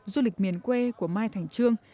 du lịch miền quê của mai thành trương